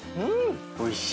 おいしい！